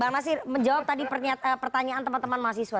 bang nasir menjawab tadi pertanyaan teman teman mahasiswa